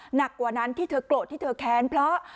หนักกว่านั้นที่เธอโกรธที่เธอแค้นเพราะ